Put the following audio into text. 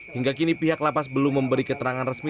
hingga kini pihak lapas belum memberi keterangan resmi